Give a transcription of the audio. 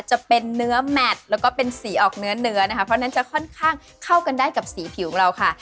จะเป็นเนื้อแมทแล้วก็เป็นสีออกเนื้อเนื้อนะคะเพราะฉะนั้นจะค่อนข้างเข้ากันได้กับสีผิวของเราค่ะ